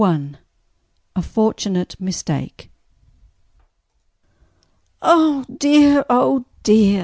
1904 A Fortunate MistakeToC "Oh, dear! oh, dear!"